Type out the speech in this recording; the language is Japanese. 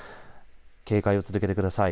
警戒を続けてください。